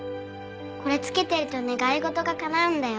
これ着けてると願い事が叶うんだよ。